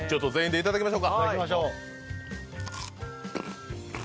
いただきましょう。